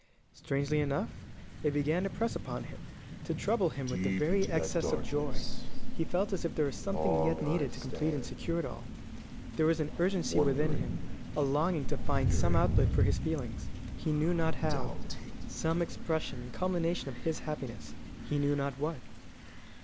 Strangely enough, it began to press upon him, to trouble him with the very excess of joy. He felt as if there were something yet needed to complete and secure it all. There was an urgency within him, a longing to find some outlet for his feelings, he knew not how some expression and culmination of his happiness, he knew not what.